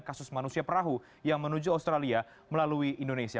kasus manusia perahu yang menuju australia melalui indonesia